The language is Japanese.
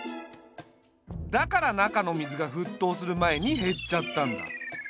だから中の水が沸騰する前に減っちゃったんだ。